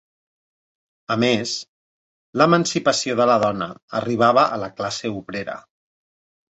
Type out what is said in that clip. A més, l'emancipació de la dona arribava a la classe obrera.